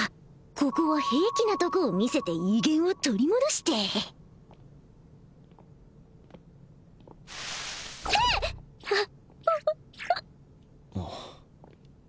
ここは平気なとこを見せて威厳を取り戻してひっ！